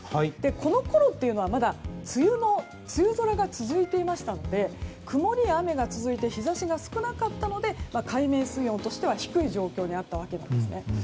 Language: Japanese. このころというのは梅雨空が続いていましたので曇りや雨が続いて日差しが少なかったので海面水温としては低い状況にあったんです。